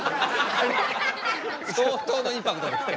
相当のインパクトですね。